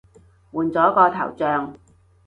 換咗個頭像